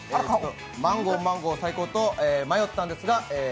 マンゴーマンゴーサイコーと迷ったんですが。